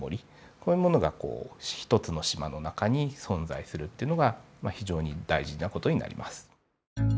こういうものが一つの島の中に存在するっていうのが非常に大事な事になります。